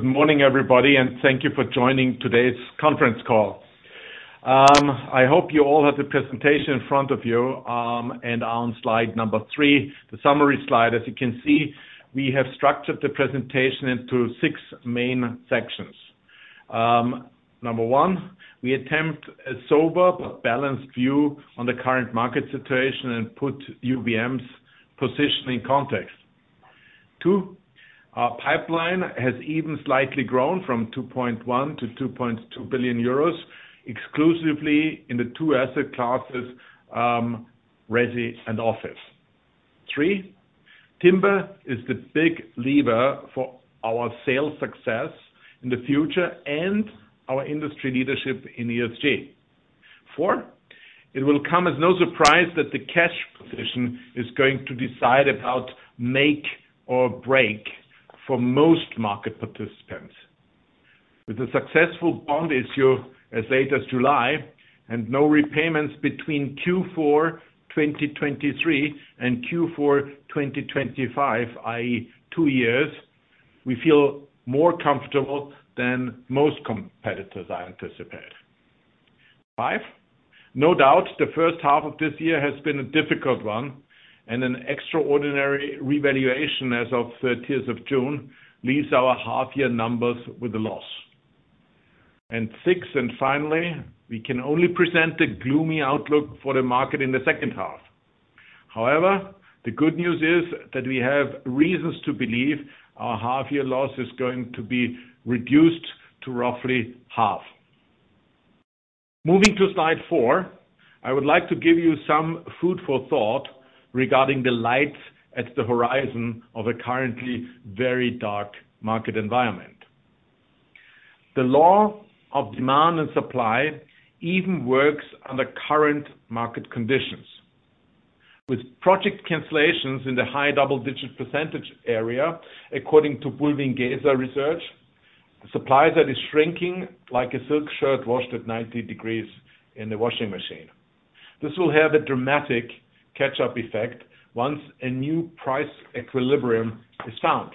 Good morning, everybody, and thank you for joining today's conference call. I hope you all have the presentation in front of you. On slide number three, the summary slide, as you can see, we have structured the presentation into six main sections. Number one, we attempt a sober but balanced view on the current market situation and put UBM's position in context. Two, our pipeline has even slightly grown from 2.1 billion to 2.2 billion euros, exclusively in the two asset classes, resi and office. Three, timber is the big lever for our sales success in the future and our industry leadership in ESG. Four, it will come as no surprise that the cash position is going to decide about make or break for most market participants. With a successful bond issue as late as July and no repayments between Q4 2023 and Q4 2025, i.e., two years, we feel more comfortable than most competitors, I anticipate. Five, no doubt, the first half of this year has been a difficult one, and an extraordinary revaluation as of June 30 leaves our half-year numbers with a loss. And six, and finally, we can only present a gloomy outlook for the market in the second half. However, the good news is that we have reasons to believe our half-year loss is going to be reduced to roughly half. Moving to slide four, I would like to give you some food for thought regarding the light at the horizon of a currently very dark market environment. The law of demand and supply even works under current market conditions. With project cancellations in the high double-digit % area, according to Bulwiengesa Research, the supply that is shrinking like a silk shirt washed at 90 degrees in the washing machine. This will have a dramatic catch-up effect once a new price equilibrium is found.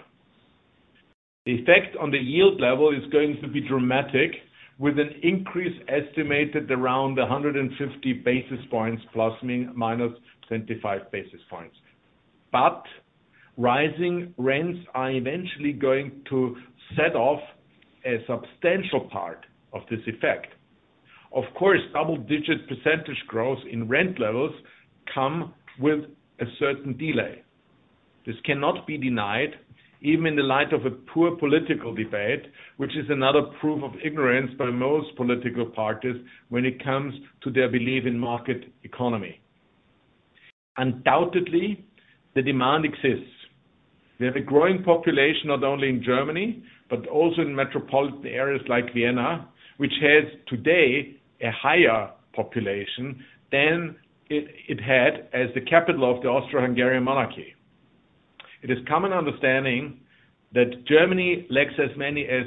The effect on the yield level is going to be dramatic, with an increase estimated around 150 basis points, plus, minus 25 basis points. But rising rents are eventually going to set off a substantial part of this effect. Of course, double-digit % growth in rent levels come with a certain delay. This cannot be denied, even in the light of a poor political debate, which is another proof of ignorance by most political parties when it comes to their belief in market economy. Undoubtedly, the demand exists. We have a growing population, not only in Germany, but also in metropolitan areas like Vienna, which has today a higher population than it had as the capital of the Austro-Hungarian monarchy. It is common understanding that Germany lacks as many as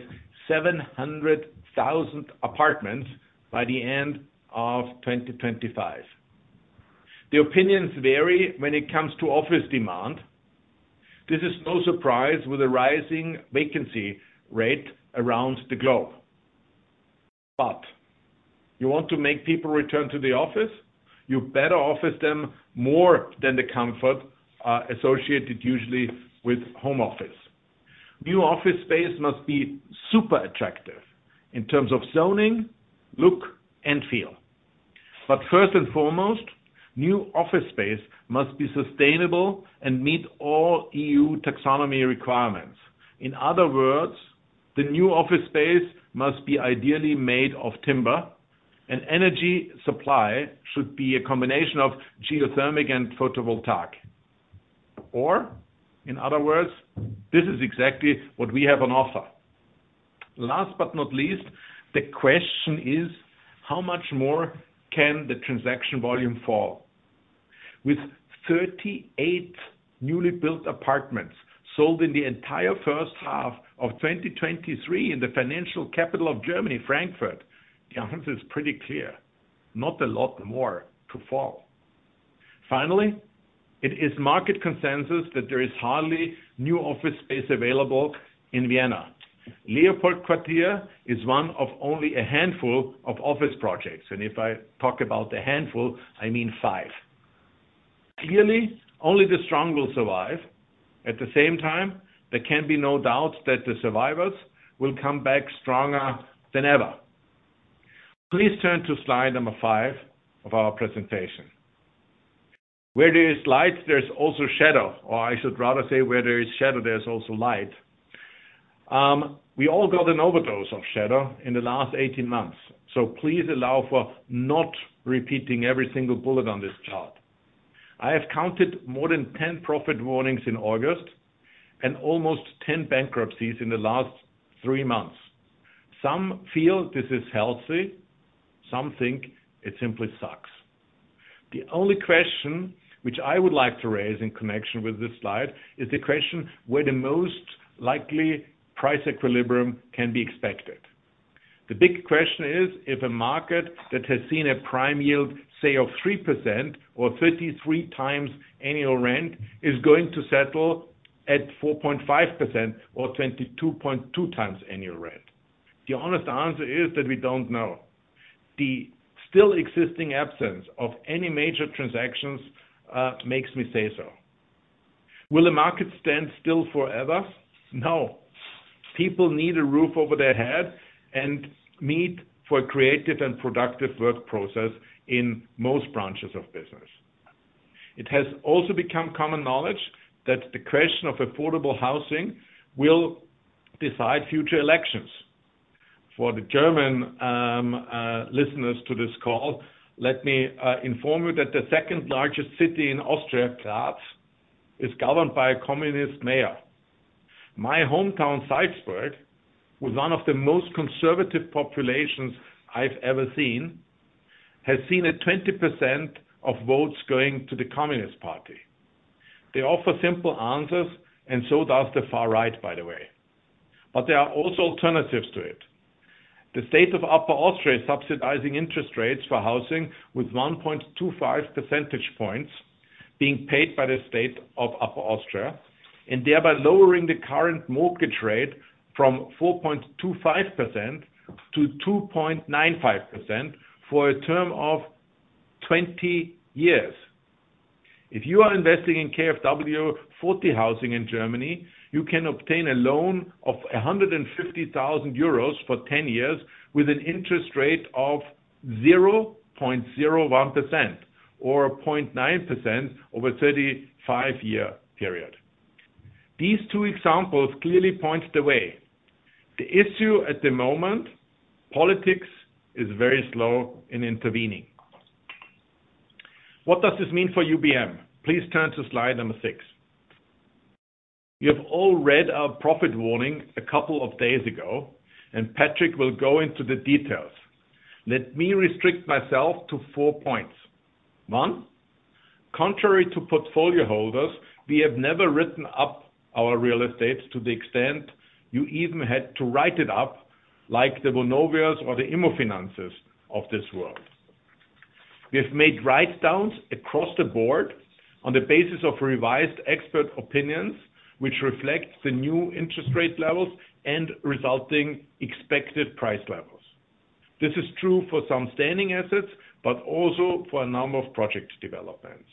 700,000 apartments by the end of 2025. The opinions vary when it comes to office demand. This is no surprise with a rising vacancy rate around the globe. But you want to make people return to the office, you better offer them more than the comfort associated usually with home office. New office space must be super attractive in terms of zoning, look, and feel. But first and foremost, new office space must be sustainable and meet all EU Taxonomy requirements. In other words, the new office space must be ideally made of timber, and energy supply should be a combination of geothermal and photovoltaic, or in other words, this is exactly what we have on offer. Last but not least, the question is: How much more can the transaction volume fall? With 38 newly built apartments sold in the entire first half of 2023 in the financial capital of Germany, Frankfurt, the answer is pretty clear, not a lot more to fall. Finally, it is market consensus that there is hardly new office space available in Vienna. LeopoldQuartier is one of only a handful of office projects, and if I talk about a handful, I mean 5. Clearly, only the strong will survive. At the same time, there can be no doubt that the survivors will come back stronger than ever. Please turn to slide number five of our presentation. Where there is light, there's also shadow, or I should rather say where there is shadow, there's also light. We all got an overdose of shadow in the last 18 months, so please allow for not repeating every single bullet on this chart. I have counted more than 10 profit warnings in August and almost 10 bankruptcies in the last three months. Some feel this is healthy, some think it simply sucks. The only question which I would like to raise in connection with this slide is the question where the most likely price equilibrium can be expected? The big question is, if a market that has seen a prime yield, say, of 3% or 33x annual rent, is going to settle at 4.5% or 22.2x annual rent? The honest answer is that we don't know. The still existing absence of any major transactions makes me say so. Will the market stand still forever? No. People need a roof over their head and need for creative and productive work process in most branches of business. It has also become common knowledge that the question of affordable housing will decide future elections. For the German listeners to this call, let me inform you that the second-largest city in Austria, Graz, is governed by a communist mayor. My hometown, Salzburg, with one of the most conservative populations I've ever seen, has seen a 20% of votes going to the Communist Party. They offer simple answers, and so does the far right, by the way, but there are also alternatives to it. The state of Upper Austria is subsidizing interest rates for housing, with 1.25 percentage points being paid by the state of Upper Austria, and thereby lowering the current mortgage rate from 4.25% to 2.95% for a term of 20 years. If you are investing in KfW 40 housing in Germany, you can obtain a loan of 150,000 euros for 10 years, with an interest rate of 0.01% or 0.9% over a 35-year period. These two examples clearly point the way. The issue at the moment, politics is very slow in intervening. What does this mean for UBM? Please turn to slide number six. You've all read our profit warning a couple of days ago, and Patric will go into the details. Let me restrict myself to four points. One, contrary to portfolio holders, we have never written up our real estate to the extent you even had to write it up, like the Vonovias or the IMMOFINANZes of this world. We have made write-downs across the board on the basis of revised expert opinions, which reflect the new interest rate levels and resulting expected price levels. This is true for some standing assets, but also for a number of project developments.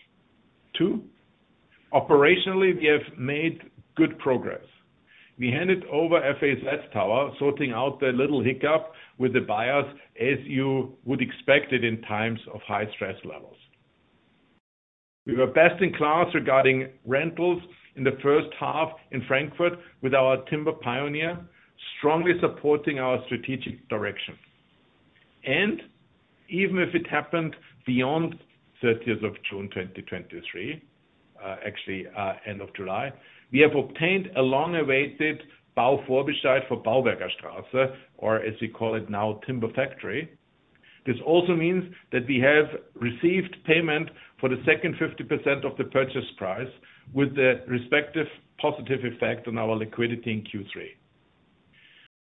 Two, operationally, we have made good progress. We handed over F.A.Z. Tower, sorting out the little hiccup with the buyers, as you would expect it in times of high stress levels. We were best in class regarding rentals in the first half in Frankfurt with our Timber Pioneer, strongly supporting our strategic direction. Even if it happened beyond 30th of June 2023, actually, end of July, we have obtained a long-awaited Bauvorbescheid for Baubergerstraße, or as we call it now, Timber Factory. This also means that we have received payment for the second 50% of the purchase price, with the respective positive effect on our liquidity in Q3.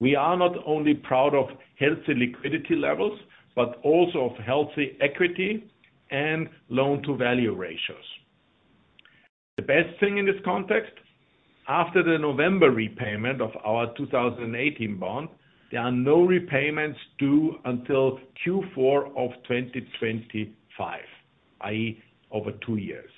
We are not only proud of healthy liquidity levels, but also of healthy equity and loan-to-value ratios. The best thing in this context, after the November repayment of our 2018 bond, there are no repayments due until Q4 of 2025, i.e., over two years.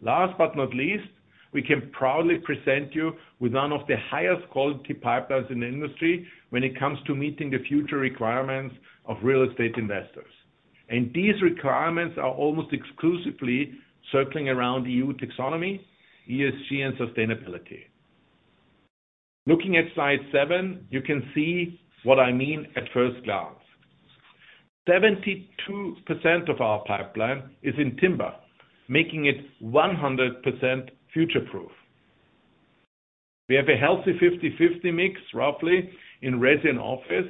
Last but not least, we can proudly present you with one of the highest quality pipelines in the industry when it comes to meeting the future requirements of real estate investors. These requirements are almost exclusively circling around EU Taxonomy, ESG, and sustainability. Looking at slide seven you can see what I mean at first glance. 72% of our pipeline is in timber, making it 100% future-proof. We have a healthy 50/50 mix, roughly, in resi and office.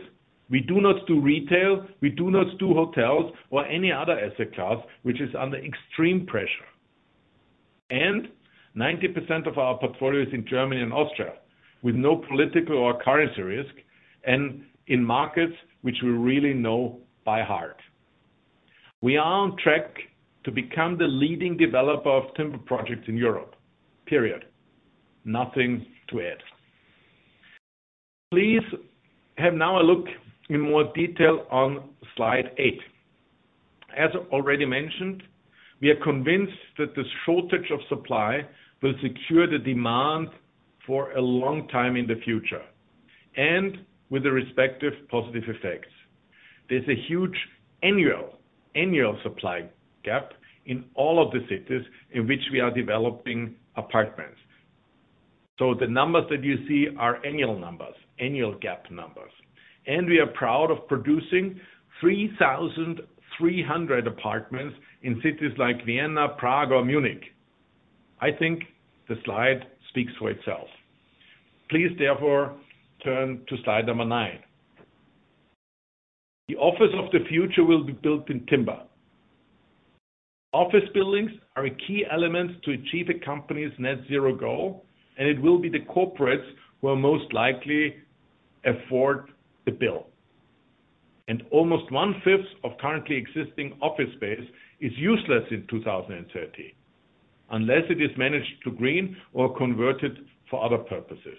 We do not do retail, we do not do hotels or any other asset class, which is under extreme pressure. Ninety percent of our portfolio is in Germany and Austria, with no political or currency risk, and in markets which we really know by heart. We are on track to become the leading developer of timber projects in Europe, period. Nothing to add. Please have now a look in more detail on slide eight. As already mentioned, we are convinced that this shortage of supply will secure the demand for a long time in the future, and with the respective positive effects. There's a huge annual supply gap in all of the cities in which we are developing apartments. So the numbers that you see are annual numbers, annual gap numbers, and we are proud of producing 3,300 apartments in cities like Vienna, Prague, or Munich. I think the slide speaks for itself. Please, therefore, turn to slide nine. The office of the future will be built in timber. Office buildings are a key element to achieve a company's net zero goal, and it will be the corporates who will most likely afford the bill. Almost one-fifth of currently existing office space is useless in 2030, unless it is managed to green or converted for other purposes.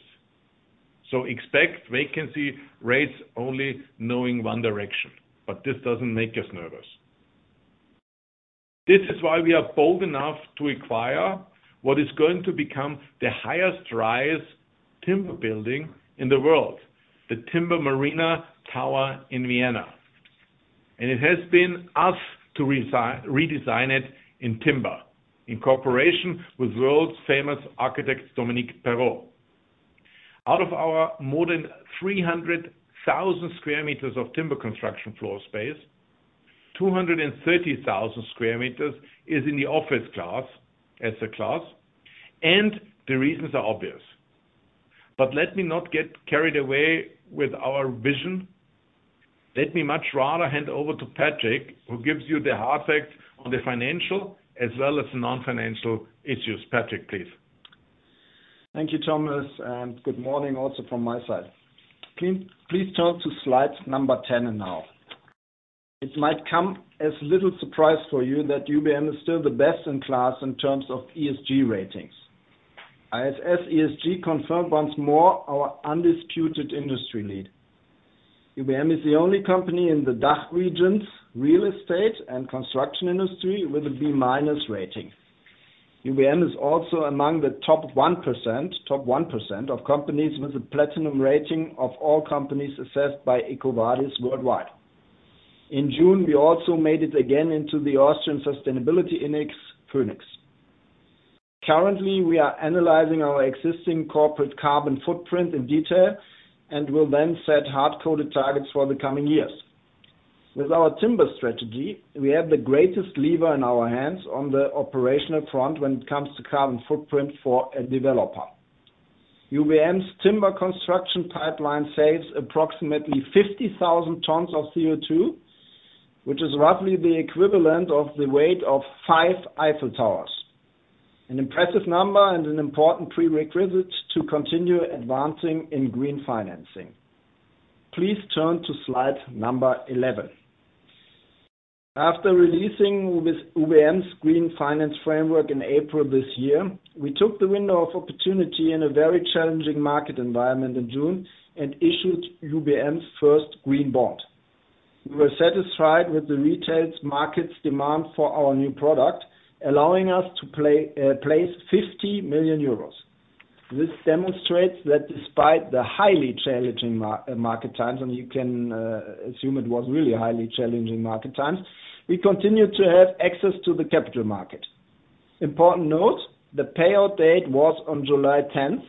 So expect vacancy rates only knowing one direction, but this doesn't make us nervous. This is why we are bold enough to acquire what is going to become the highest rise timber building in the world, the Timber Marina Tower in Vienna. It has been up to us to redesign it in timber, in cooperation with world-famous architect Dominique Perrault. Out of our more than 300,000 square meters of timber construction floor space, 230,000 square meters is in the office class, asset class, and the reasons are obvious. But let me not get carried away with our vision. Let me much rather hand over to Patric, who gives you the hard facts on the financial as well as non-financial issues. Patric, please. Thank you, Thomas, and good morning also from my side. Please, please turn to slide number 10 now. It might come as little surprise for you that UBM is still the best in class in terms of ESG ratings. ISS ESG confirmed once more our undisputed industry lead. UBM is the only company in the DACH regions, real estate, and construction industry with a B- rating. UBM is also among the top 1%, top 1% of companies with a platinum rating of all companies assessed by EcoVadis worldwide. In June, we also made it again into the Austrian Sustainability Index, VÖNIX (VÖNIX). Currently, we are analyzing our existing corporate carbon footprint in detail and will then set hard-coded targets for the coming years. With our timber strategy, we have the greatest lever in our hands on the operational front when it comes to carbon footprint for a developer. UBM's timber construction pipeline saves approximately 50,000 tons of CO2, which is roughly the equivalent of the weight of five Eiffel Towers. An impressive number and an important prerequisite to continue advancing in green financing. Please turn to slide number 11. After releasing UBM's Green Finance Framework in April this year, we took the window of opportunity in a very challenging market environment in June and issued UBM's first green bond. We were satisfied with the retail market's demand for our new product, allowing us to place 50 million euros. This demonstrates that despite the highly challenging market times, and you can assume it was really highly challenging market times, we continued to have access to the capital market. Important note, the payout date was on July 10,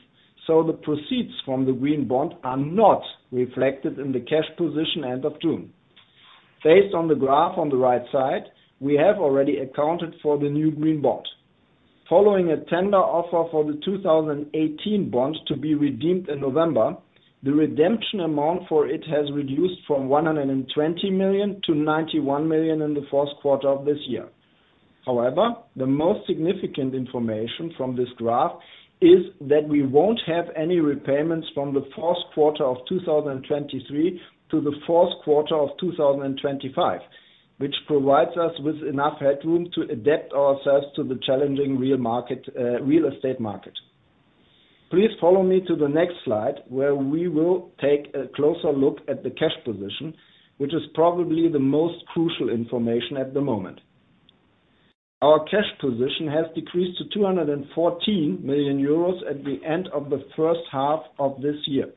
so the proceeds from the green bond are not reflected in the cash position end of June. Based on the graph on the right side, we have already accounted for the new green bond. Following a tender offer for the 2018 bonds to be redeemed in November, the redemption amount for it has reduced from 120 million to 91 million in the first quarter of this year. However, the most significant information from this graph is that we won't have any repayments from the first quarter of 2023 to the fourth quarter of 2025, which provides us with enough headroom to adapt ourselves to the challenging real estate market. Please follow me to the next slide, where we will take a closer look at the cash position, which is probably the most crucial information at the moment. Our cash position has decreased to 214 million euros at the end of the first half of this year.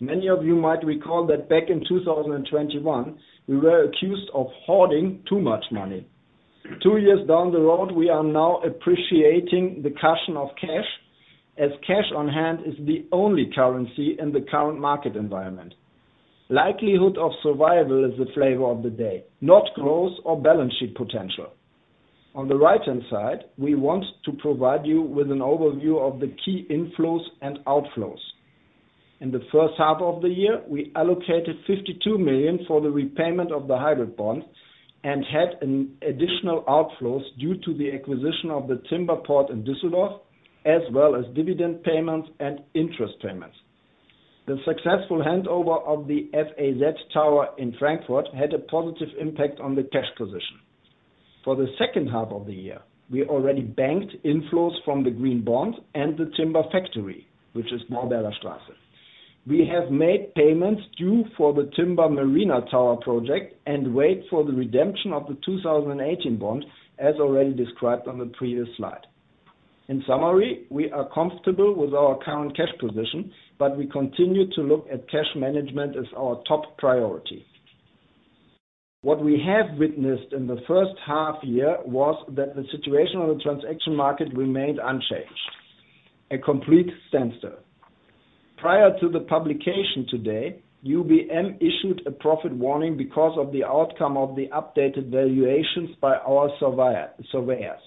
Many of you might recall that back in 2021, we were accused of hoarding too much money. Two years down the road, we are now appreciating the caution of cash, as cash on hand is the only currency in the current market environment. Likelihood of survival is the flavor of the day, not growth or balance sheet potential. On the right-hand side, we want to provide you with an overview of the key inflows and outflows. In the first half of the year, we allocated 52 million for the repayment of the hybrid bond and had an additional outflows due to the acquisition of the Timber Port in Düsseldorf, as well as dividend payments and interest payments. The successful handover of the F.A.Z. Tower in Frankfurt had a positive impact on the cash position. For the second half of the year, we already banked inflows from the green bond and the Timber Factory, which is now Baubergerstraße. We have made payments due for the Timber Marina Tower project and wait for the redemption of the 2018 bond, as already described on the previous slide. In summary, we are comfortable with our current cash position, but we continue to look at cash management as our top priority. What we have witnessed in the first half year was that the situation on the transaction market remained unchanged, a complete standstill. Prior to the publication today, UBM issued a profit warning because of the outcome of the updated valuations by our surveyors.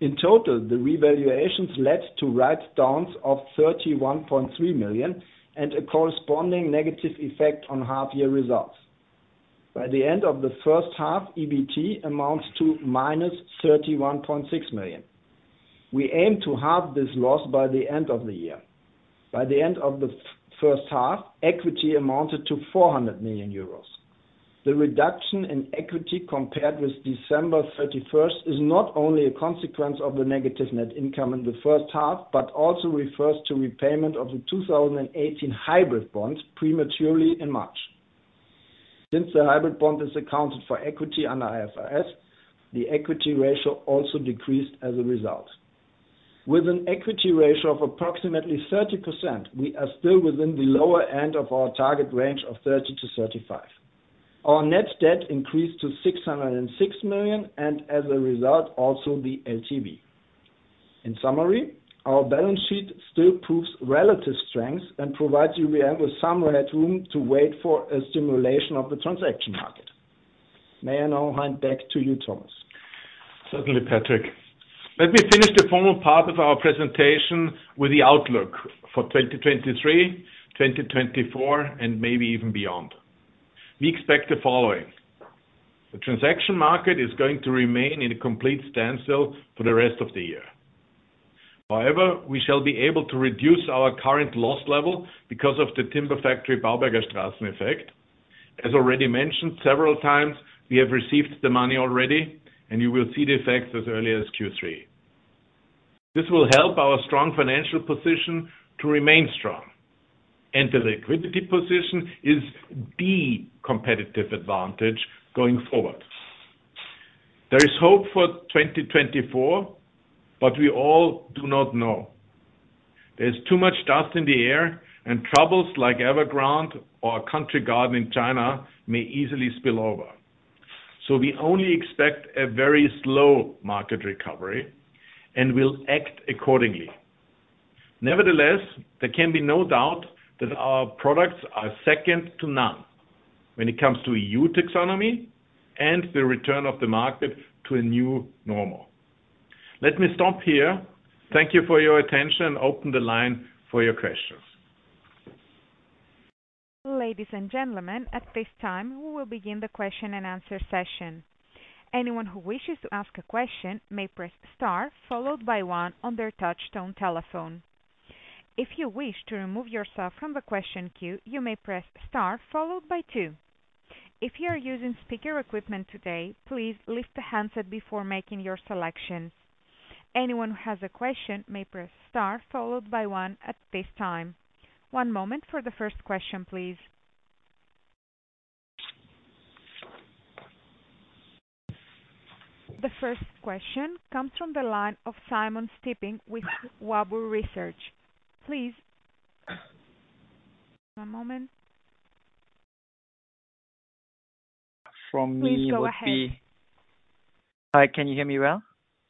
In total, the revaluations led to write downs of 31.3 million and a corresponding negative effect on half year results. By the end of the first half, EBITDA amounts to -31.6 million. We aim to halve this loss by the end of the year. By the end of the first half, equity amounted to 400 million euros. The reduction in equity compared with December 31 is not only a consequence of the negative net income in the first half, but also refers to repayment of the 2018 hybrid bonds prematurely in March. Since the hybrid bond is accounted for equity under IFRS, the equity ratio also decreased as a result. With an equity ratio of approximately 30%, we are still within the lower end of our target range of 30%-35%. Our net debt increased to 606 million, and as a result, also the LTV. In summary, our balance sheet still proves relative strength and provides UBM with some headroom to wait for a stimulation of the transaction market. May I now hand back to you, Thomas? Certainly, Patric. Let me finish the formal part of our presentation with the outlook for 2023, 2024, and maybe even beyond. We expect the following: The transaction market is going to remain in a complete standstill for the rest of the year. However, we shall be able to reduce our current loss level because of the Timber Factory Baubergerstraße effect. As already mentioned several times, we have received the money already, and you will see the effects as early as Q3. This will help our strong financial position to remain strong, and the liquidity position is the competitive advantage going forward. There is hope for 2024, but we all do not know. There's too much dust in the air, and troubles like Evergrande or Country Garden in China may easily spill over. So we only expect a very slow market recovery and will act accordingly. Nevertheless, there can be no doubt that our products are second to none when it comes to EU Taxonomy and the return of the market to a new normal. Let me stop here. Thank you for your attention, and open the line for your questions. Ladies and gentlemen, at this time, we will begin the question and answer session. Anyone who wishes to ask a question may press star, followed by one on their touchtone telephone. If you wish to remove yourself from the question queue, you may press star, followed by two. If you are using speaker equipment today, please lift the handset before making your selections. Anyone who has a question may press star, followed by one at this time. One moment for the first question, please. The first question comes from the line of Simon Stippig with Warburg Research. Please. One moment. From me would be- Please go ahead. Hi, can you hear me well?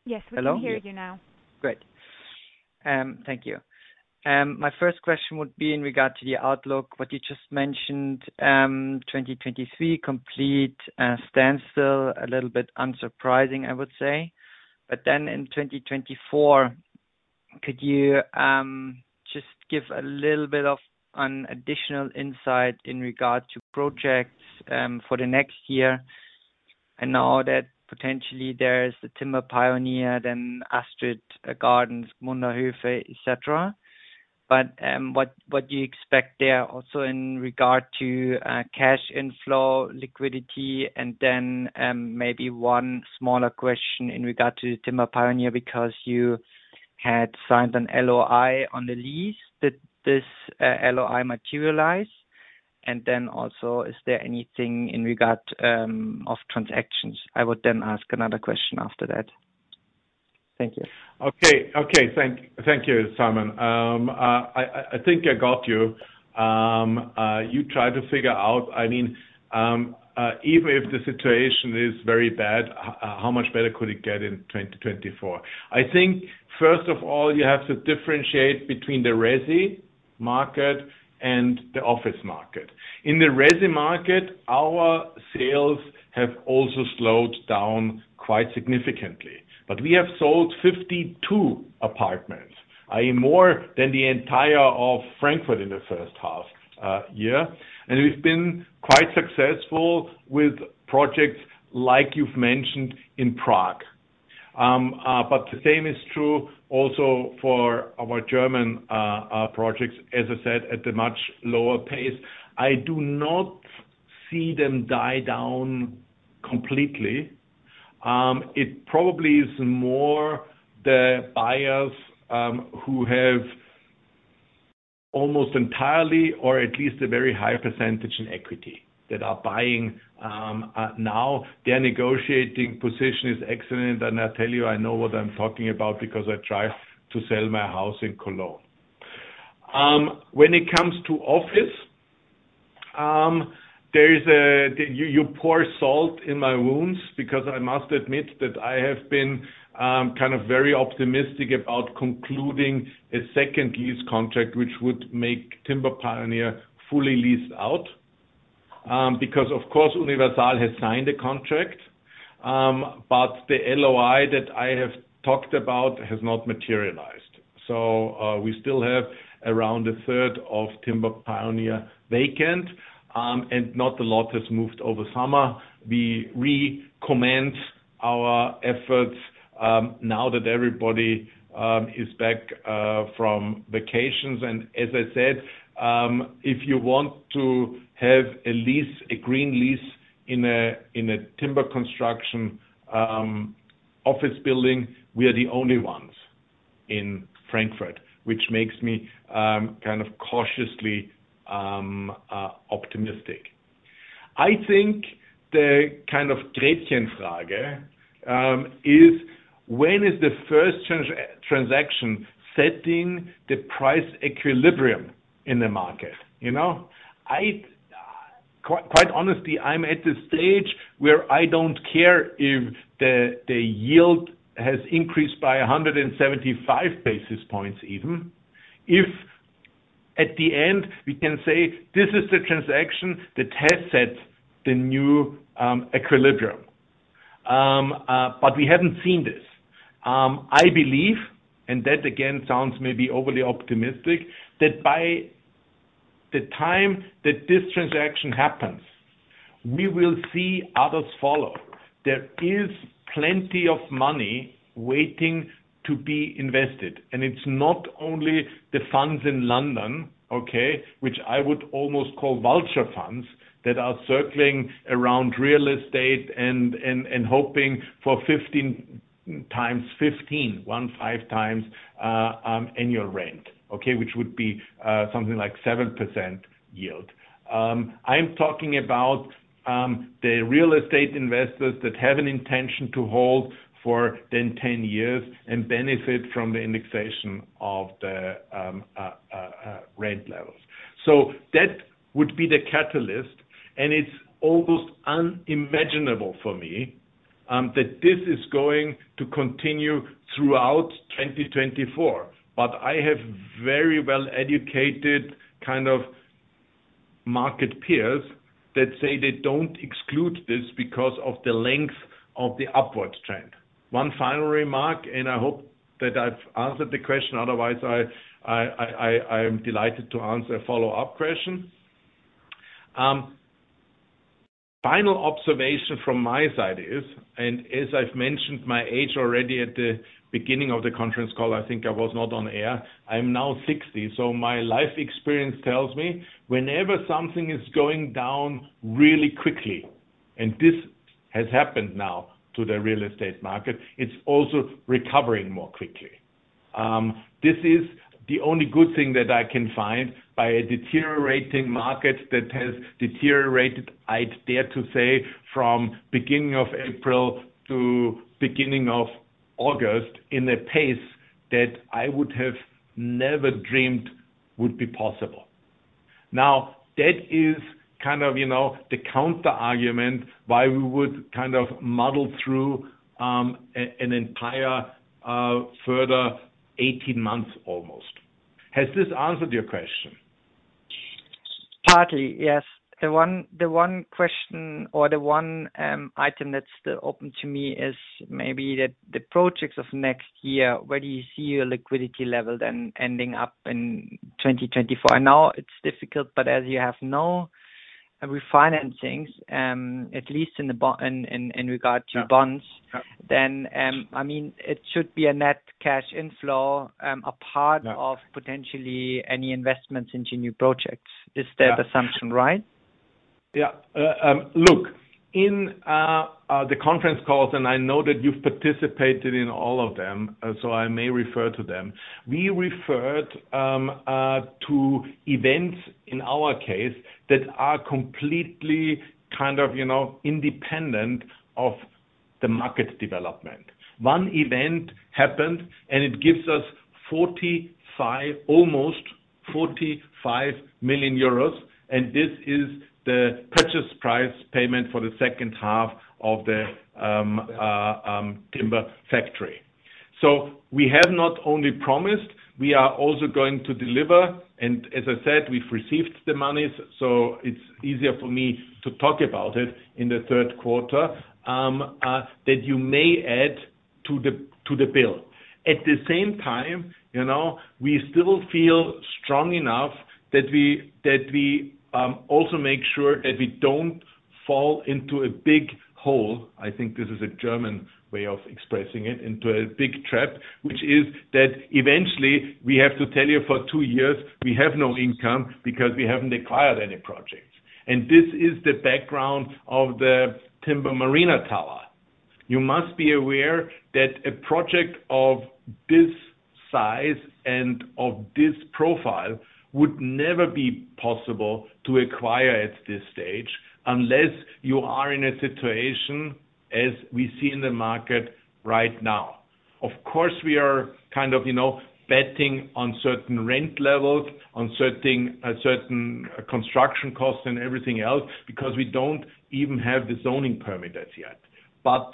Yes, we can hear you now. Great. Thank you. My first question would be in regard to the outlook, what you just mentioned, 2023, complete standstill, a little bit unsurprising, I would say. But then in 2024, could you just give a little bit of an additional insight in regard to projects for the next year? I know that potentially there is the Timber Pioneer, then Astrid Gardens, Gmunder hofe, et cetera. But what do you expect there also in regard to cash inflow, liquidity, and then maybe one smaller question in regard to Timber Pioneer, because you had signed an LOI on the lease. Did this LOI materialize? And then also, is there anything in regard of transactions? I would then ask another question after that. Thank you. Okay. Thank you, Simon. I think I got you. You tried to figure out, I mean, even if the situation is very bad, how much better could it get in 2024? I think first of all, you have to differentiate between the resi market and the office market. In the resi market, our sales have also slowed down quite significantly, but we have sold 52 apartments, i.e., more than the entire of Frankfurt in the first half year. And we've been quite successful with projects like you've mentioned in Prague. But the same is true also for our German projects, as I said, at a much lower pace. I do not see them die down completely. It probably is more the buyers, who have almost entirely, or at least a very high percentage in equity, that are buying, now. Their negotiating position is excellent, and I tell you, I know what I'm talking about because I try to sell my house in Cologne. When it comes to office, there is a-- You, you pour salt in my wounds because I must admit that I have been, kind of very optimistic about concluding a second lease contract, which would make Timber Pioneer fully leased out.... Because of course, Universal has signed a contract, but the LOI that I have talked about has not materialized. So, we still have around a third of Timber Pioneer vacant, and not a lot has moved over summer. We recommence our efforts, now that everybody is back from vacations. As I said, if you want to have a lease, a green lease, in a timber construction office building, we are the only ones in Frankfurt, which makes me kind of cautiously optimistic. I think the kind of great challenge is when is the first transaction setting the price equilibrium in the market, you know? I, quite honestly, I'm at the stage where I don't care if the yield has increased by 175 basis points even. If at the end, we can say, this is the transaction that has set the new equilibrium. But we haven't seen this. I believe, and that again, sounds maybe overly optimistic, that by the time that this transaction happens, we will see others follow. There is plenty of money waiting to be invested, and it's not only the funds in London, okay? Which I would almost call vulture funds, that are circling around real estate and hoping for 15 times 15, 15 times, annual rent, okay? Which would be, something like 7% yield. I'm talking about, the real estate investors that have an intention to hold for then 10 years and benefit from the indexation of the rent levels. So that would be the catalyst, and it's almost unimaginable for me, that this is going to continue throughout 2024. But I have very well-educated kind of market peers that say they don't exclude this because of the length of the upward trend. One final remark, and I hope that I've answered the question, otherwise, I'm delighted to answer a follow-up question. Final observation from my side is, and as I've mentioned, my age already at the beginning of the conference call, I think I was not on air. I'm now 60, so my life experience tells me whenever something is going down really quickly, and this has happened now to the real estate market, it's also recovering more quickly. This is the only good thing that I can find by a deteriorating market that has deteriorated, I dare to say, from beginning of April to beginning of August, in a pace that I would have never dreamed would be possible. Now, that is kind of, you know, the counterargument why we would kind of muddle through an entire further 18 months almost. Has this answered your question? Partly, yes. The one question or the one item that's still open to me is maybe that the projects of next year, where do you see your liquidity level then ending up in 2024? I know it's difficult, but as you have no refinancings, at least in regard to bonds- Yeah. I mean, it should be a net cash inflow, a part- Yeah... of potentially any investments into new projects. Yeah. Is that assumption right? Yeah. Look, in the conference calls, and I know that you've participated in all of them, so I may refer to them. We referred to events in our case that are completely kind of, you know, independent of the market development. One event happened, and it gives us 45 million, almost 45 million euros, and this is the purchase price payment for the second half of the Timber Factory. So we have not only promised, we are also going to deliver, and as I said, we've received the money, so it's easier for me to talk about it in the third quarter that you may add to the bill. At the same time, you know, we still feel strong enough that we also make sure that we don't fall into a big hole. I think this is a German way of expressing it, into a big trap, which is that eventually, we have to tell you for two years, we have no income because we haven't acquired any projects. And this is the background of the Timber Marina Tower. You must be aware that a project of this size and of this profile would never be possible to acquire at this stage, unless you are in a situation as we see in the market right now. Of course, we are kind of, you know, betting on certain rent levels, on certain, certain construction costs and everything else, because we don't even have the zoning permit as yet. But,...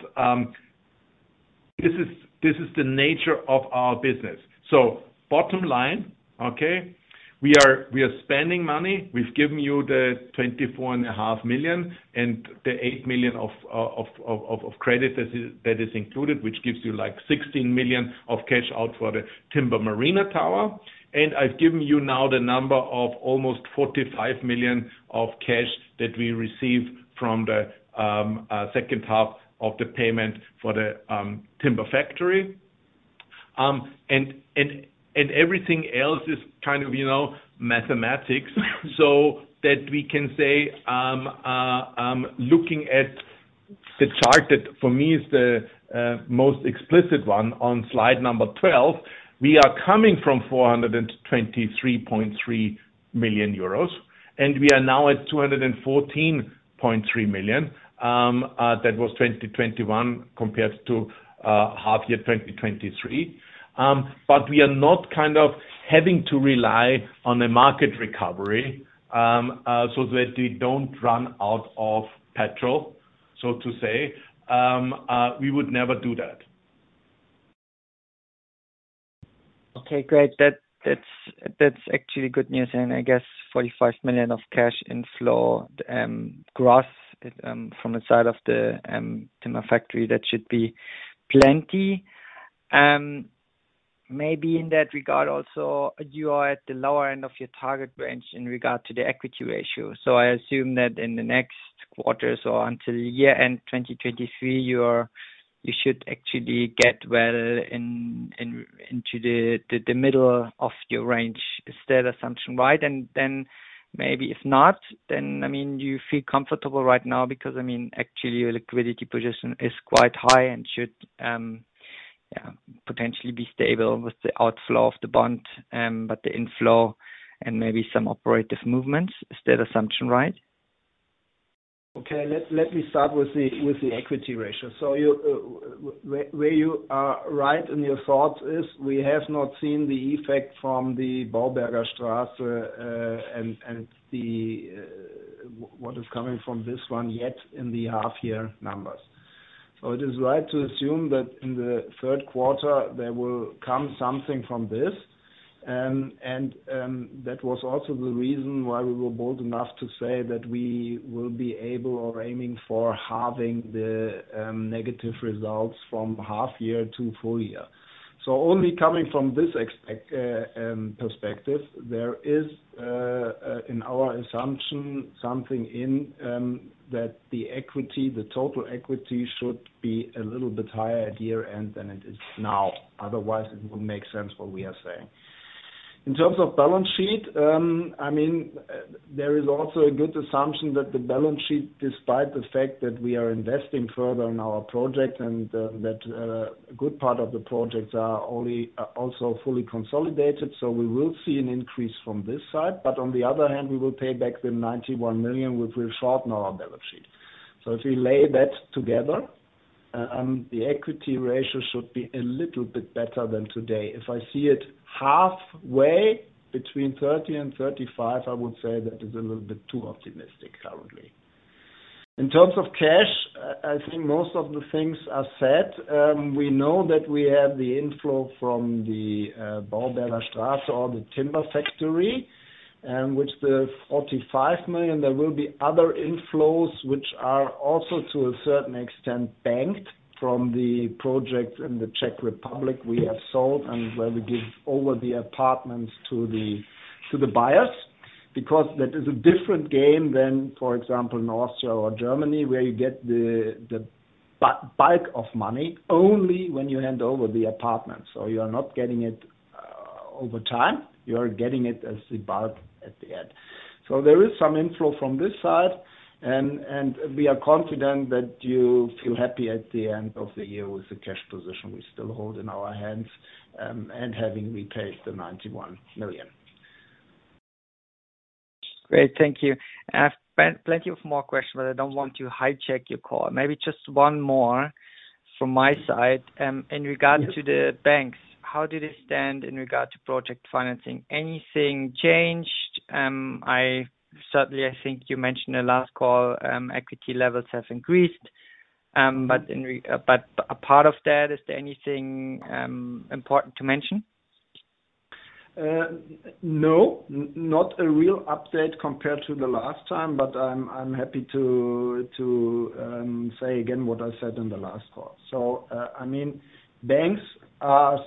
This is the nature of our business. So bottom line, okay, we are spending money. We've given you the 24.5 million, and the 8 million of credit that is included, which gives you like 16 million of cash out for the Timber Marina Tower. And I've given you now the number of almost 45 million of cash that we received from the second half of the payment for the Timber Factory. And everything else is kind of, you know, mathematics, so that we can say, looking at the chart, that for me is the most explicit one on slide 12, we are coming from 423.3 million euros, and we are now at 214.3 million. That was 2021 compared to half year 2023. But we are not kind of having to rely on a market recovery, so that we don't run out of petrol, so to say. We would never do that. Okay, great. That's actually good news. And I guess 45 million of cash inflow, gross, from the side of the Timber Factory, that should be plenty. Maybe in that regard also, you are at the lower end of your target range in regard to the equity ratio. So I assume that in the next quarters or until year-end, 2023, you should actually get well into the middle of your range. Is that assumption right? And then maybe if not, then, I mean, you feel comfortable right now, because, I mean, actually, your liquidity position is quite high and should, yeah, potentially be stable with the outflow of the bond, but the inflow and maybe some operative movements. Is that assumption right? Okay, let me start with the equity ratio. So where you are right in your thoughts is we have not seen the effect from the Baubergerstraße and what is coming from this one yet in the half year numbers. So it is right to assume that in the third quarter there will come something from this. And that was also the reason why we were bold enough to say that we will be able or aiming for halving the negative results from half year to full year. So only coming from this perspective, there is in our assumption something in that the equity, the total equity should be a little bit higher at year-end than it is now. Otherwise, it wouldn't make sense what we are saying. In terms of balance sheet, I mean, there is also a good assumption that the balance sheet, despite the fact that we are investing further in our project and that a good part of the projects are only also fully consolidated, so we will see an increase from this side. But on the other hand, we will pay back the 91 million, which will shorten our balance sheet. So if we lay that together, the equity ratio should be a little bit better than today. If I see it halfway between 30 and 35, I would say that is a little bit too optimistic currently. In terms of cash, I think most of the things are set. We know that we have the inflow from the Baubergerstraße or the Timber Factory, which the 45 million, there will be other inflows, which are also to a certain extent, banked from the project in the Czech Republic we have sold, and where we give over the apartments to the buyers. Because that is a different game than, for example, in Austria or Germany, where you get the bulk of money only when you hand over the apartments. So you are not getting it over time, you are getting it as a bulk at the end. So there is some inflow from this side, and we are confident that you feel happy at the end of the year with the cash position we still hold in our hands, and having repaid the 91 million. Great, thank you. I've plenty of more questions, but I don't want to hijack your call. Maybe just one more from my side. In regards to the banks, how do they stand in regard to project financing? Anything changed? I certainly, I think you mentioned the last call, equity levels have increased, but a part of that, is there anything important to mention? No, not a real update compared to the last time, but I'm happy to say again what I said in the last call. So, I mean, banks are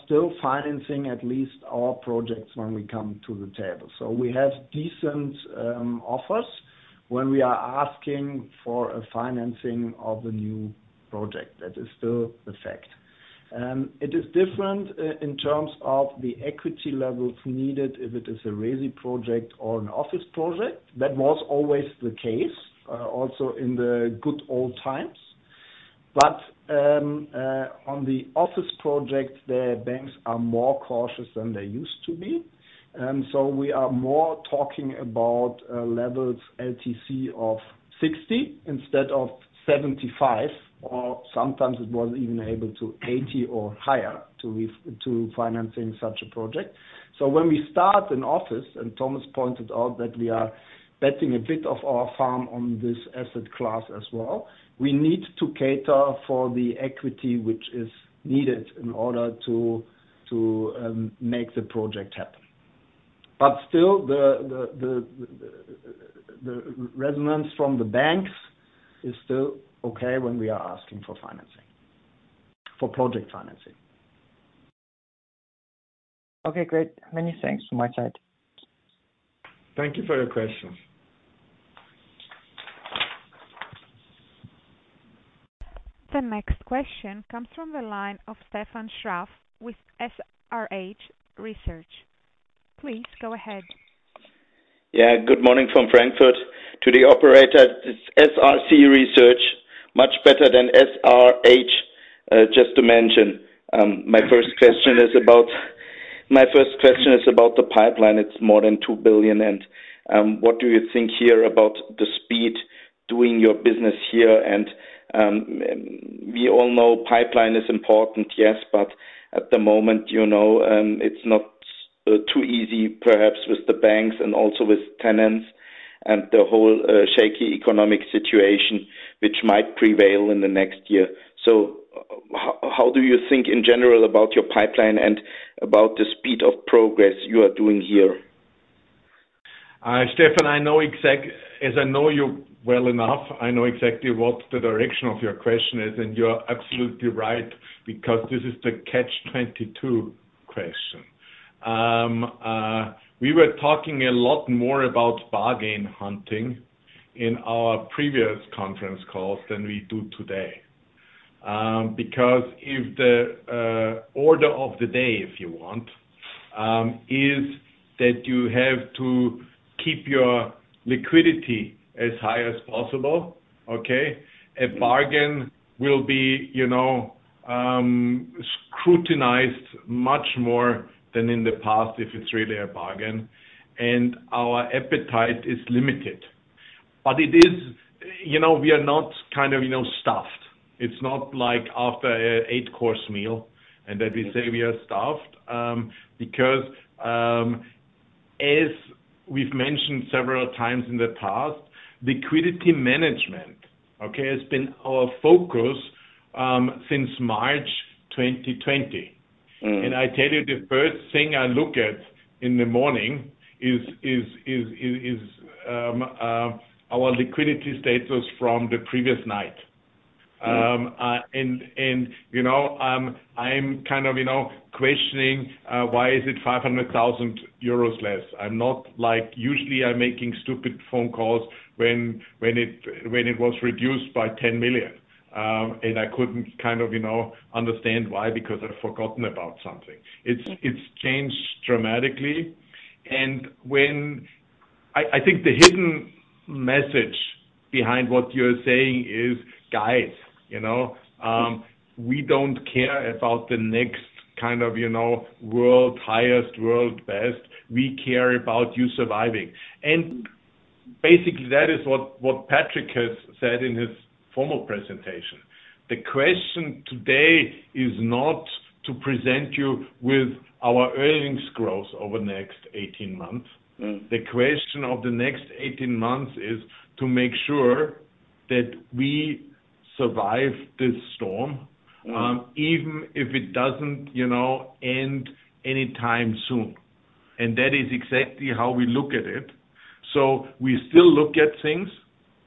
still financing at least our projects when we come to the table. So we have decent offers when we are asking for a financing of a new project. That is still the fact. It is different in terms of the equity levels needed if it is a resi project or an office project. That was always the case, also in the good old times. But, on the office project, the banks are more cautious than they used to be, and so we are more talking about levels LTC of 60 instead of 75, or sometimes it was even able to 80 or higher to financing such a project. So when we start an office, and Thomas pointed out that we are betting a bit of our farm on this asset class as well, we need to cater for the equity which is needed in order to make the project happen.... But still, the resonance from the banks is still okay when we are asking for financing, for project financing. Okay, great. Many thanks from my side. Thank you for your question. The next question comes from the line of Stefan Scharff with SRC Research. Please go ahead. Yeah, good morning from Frankfurt. To the operator, it's SRC Research, much better than SRH, just to mention. My first question is about, my first question is about the pipeline. It's more than 2 billion, and what do you think here about the speed doing your business here? And we all know pipeline is important, yes, but at the moment, you know, it's not too easy, perhaps with the banks and also with tenants and the whole shaky economic situation, which might prevail in the next year. So how do you think in general about your pipeline and about the speed of progress you are doing here? Stefan, as I know you well enough, I know exactly what the direction of your question is, and you're absolutely right, because this is the Catch-Twenty-Two question. We were talking a lot more about bargain hunting in our previous conference calls than we do today. Because if the order of the day, if you want, is that you have to keep your liquidity as high as possible, okay? A bargain will be, you know, scrutinized much more than in the past, if it's really a bargain, and our appetite is limited. But it is, you know, we are not kind of, you know, stuffed. It's not like after an eight-course meal, and that we say we are stuffed, because, as we've mentioned several times in the past, liquidity management, okay, has been our focus, since March 2020. Mm. I tell you, the first thing I look at in the morning is our liquidity status from the previous night. And you know, I'm kind of you know, questioning why is it 500,000 euros less? I'm not like, usually I'm making stupid phone calls when it was reduced by 10 million, and I couldn't kind of you know, understand why, because I've forgotten about something. It's changed dramatically. And when I think the hidden message behind what you're saying is: Guys, you know, we don't care about the next kind of you know, world highest, world best. We care about you surviving. And basically, that is what Patric has said in his formal presentation. The question today is not to present you with our earnings growth over the next 18 months. Mm. The question of the next 18 months is to make sure that we survive this storm, even if it doesn't, you know, end any time soon. And that is exactly how we look at it. So we still look at things.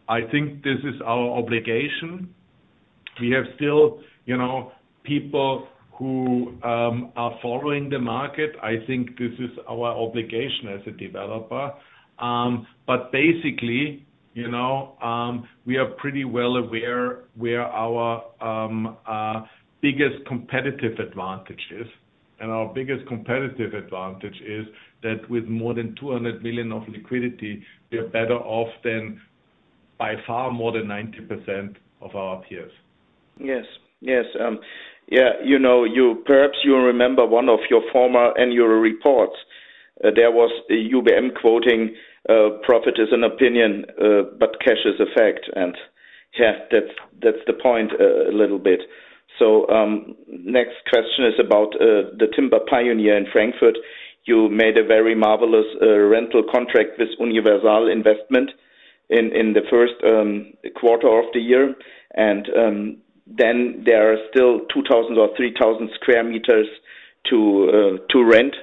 I think this is our obligation. We have still, you know, people who are following the market. I think this is our obligation as a developer. But basically, you know, we are pretty well aware where our biggest competitive advantage is, and our biggest competitive advantage is that with more than 200 million of liquidity, we are better off than by far more than 90% of our peers. Yes. Yes, yeah, you know, you perhaps you remember one of your former annual reports. There was a UBM quoting, "Profit is an opinion, but cash is a fact." And, yeah, that's, that's the point, a little bit. So, next question is about the Timber Pioneer in Frankfurt. You made a very marvelous rental contract with Universal Investment in the first quarter of the year, and then there are still 2,000 or 3,000 square meters to rent.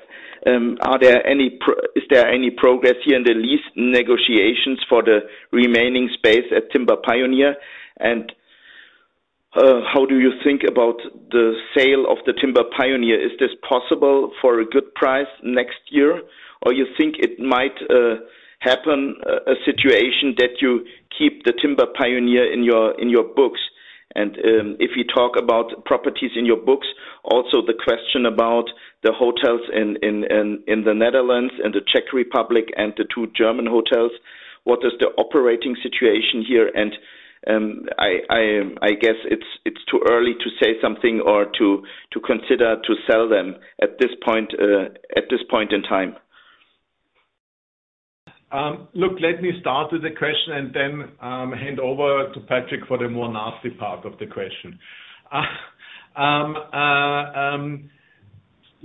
Is there any progress here in the lease negotiations for the remaining space at Timber Pioneer? And, how do you think about the sale of the Timber Pioneer? Is this possible for a good price next year, or you think it might happen, a situation that you keep the Timber Pioneer in your books? And if you talk about properties in your books, also the question about the hotels in the Netherlands and the Czech Republic and the two German hotels, what is the operating situation here? And I guess it's too early to say something or to consider to sell them at this point, at this point in time. Look, let me start with the question and then hand over to Patric for the more nasty part of the question.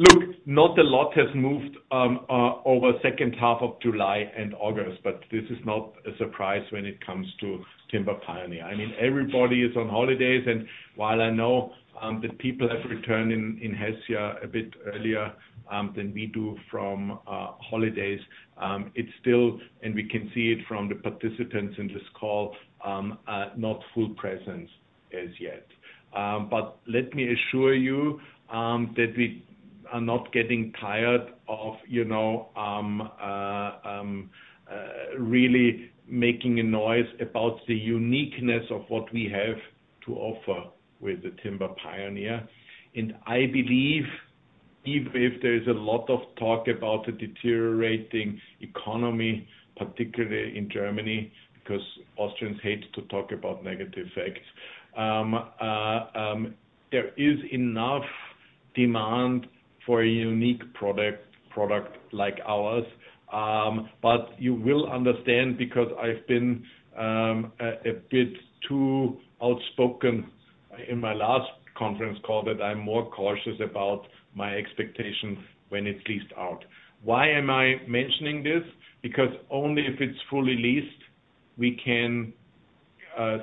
Look, not a lot has moved over second half of July and August, but this is not a surprise when it comes to Timber Pioneer. I mean, everybody is on holidays, and while I know that people have returned in Hesse a bit earlier than we do from holidays, it's still, and we can see it from the participants in this call, not full presence as yet. But let me assure you that we are not getting tired of, you know, really making a noise about the uniqueness of what we have to offer with the Timber Pioneer. I believe, even if there is a lot of talk about the deteriorating economy, particularly in Germany, because Austrians hate to talk about negative facts, there is enough demand for a unique product, product like ours. But you will understand, because I've been a bit too outspoken in my last conference call, that I'm more cautious about my expectations when it's leased out. Why am I mentioning this? Because only if it's fully leased, we can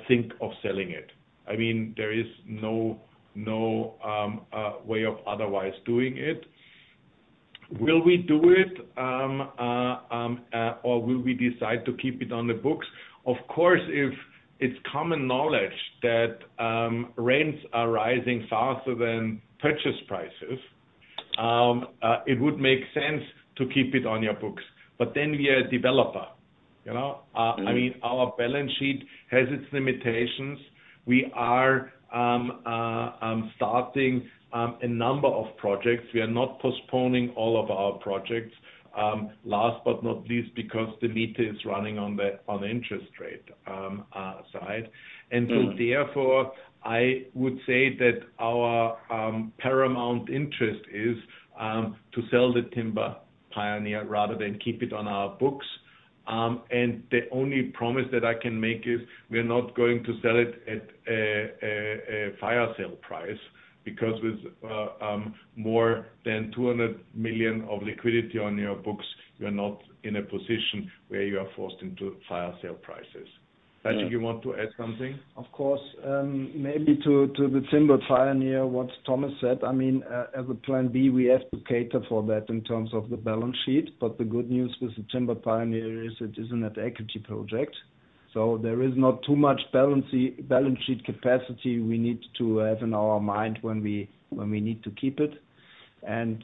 think of selling it. I mean, there is no, no way of otherwise doing it. Will we do it? Or will we decide to keep it on the books? Of course, if it's common knowledge that rents are rising faster than purchase prices, it would make sense to keep it on your books. But then we are a developer, you know? I mean, our balance sheet has its limitations. We are starting a number of projects. We are not postponing all of our projects, last but not least, because the meter is running on the interest rate side. And so therefore, I would say that our paramount interest is to sell the Timber Pioneer rather than keep it on our books. And the only promise that I can make is we are not going to sell it at a fire sale price, because with more than 200 million of liquidity on your books, you're not in a position where you are forced into fire sale prices. Patric, you want to add something? Of course, maybe to the Timber Pioneer, what Thomas said, I mean, as a plan B, we have to cater for that in terms of the balance sheet. But the good news with the Timber Pioneer is it isn't an equity project, so there is not too much balance sheet capacity we need to have in our mind when we need to keep it. And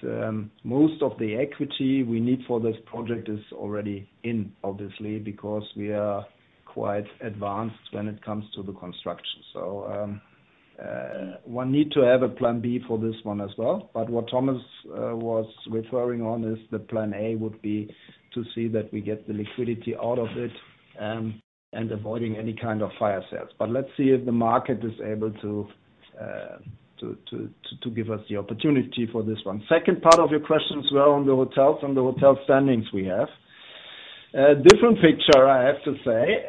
most of the equity we need for this project is already in, obviously, because we are quite advanced when it comes to the construction. So one need to have a plan B for this one as well. But what Thomas was referring on is the plan A would be to see that we get the liquidity out of it, and avoiding any kind of fire sales. But let's see if the market is able to give us the opportunity for this one. Second part of your question as well on the hotels, on the hotel standings we have. Different picture, I have to say.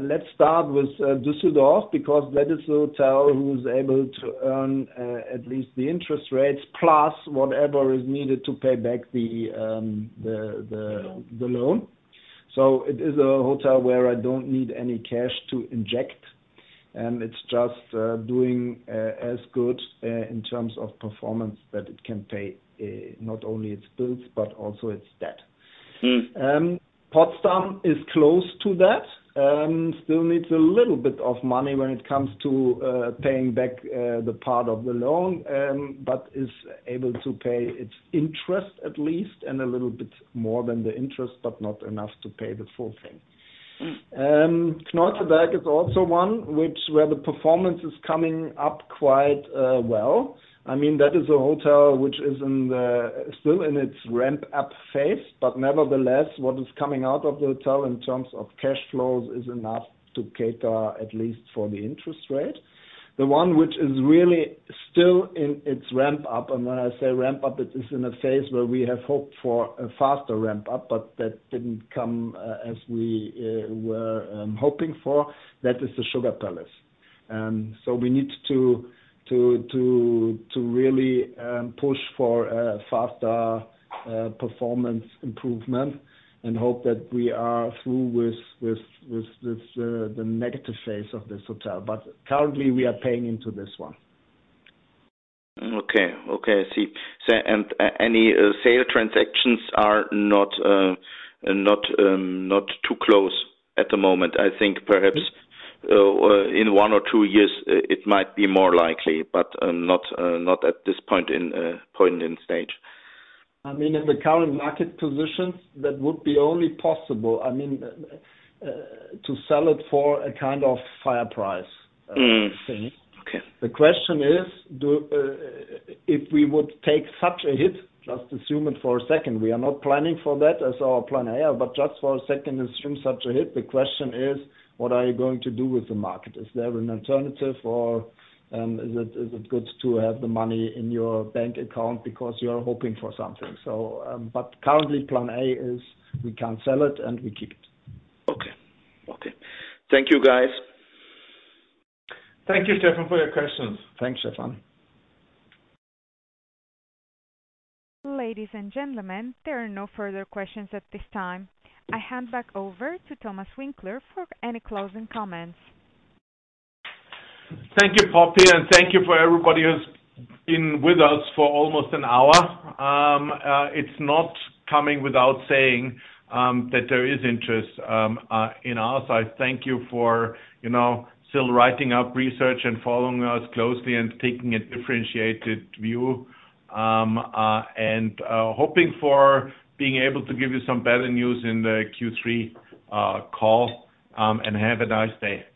Let's start with Düsseldorf, because that is the hotel who's able to earn at least the interest rates, plus whatever is needed to pay back the loan. So it is a hotel where I don't need any cash to inject, and it's just doing as good in terms of performance, that it can pay not only its bills, but also its debt. Potsdam is close to that, still needs a little bit of money when it comes to paying back the part of the loan, but is able to pay its interest at least, and a little bit more than the interest, but not enough to pay the full thing. Kronberg is also one which, where the performance is coming up quite well. I mean, that is a hotel which is still in its ramp up phase, but nevertheless, what is coming out of the hotel in terms of cash flows is enough to cater at least for the interest rate. The one which is really still in its ramp up, and when I say ramp up, it is in a phase where we have hoped for a faster ramp up, but that didn't come as we were hoping for. That is the Sugar Palace. So we need to really push for a faster performance improvement and hope that we are through with the negative phase of this hotel. But currently, we are paying into this one. Okay. Okay, I see. So, any sale transactions are not too close at the moment. I think perhaps in one or two years it might be more likely, but not at this point in stage. I mean, in the current market positions, that would be only possible, I mean, to sell it for a kind of fire price, thing. Mm. Okay. The question is, if we would take such a hit, just assume it for a second. We are not planning for that as our plan A, but just for a second, assume such a hit. The question is: What are you going to do with the market? Is there an alternative or, is it good to have the money in your bank account because you are hoping for something? But currently, plan A is we can't sell it, and we keep it. Okay. Okay. Thank you, guys. Thank you, Stefan, for your questions. Thanks, Stefan. Ladies and gentlemen, there are no further questions at this time. I hand back over to Thomas Winkler for any closing comments. Thank you, Poppy, and thank you for everybody who's been with us for almost an hour. It's not coming without saying that there is interest in us. I thank you for, you know, still writing up research and following us closely and taking a differentiated view. And hoping for being able to give you some better news in the Q3 call and have a nice day.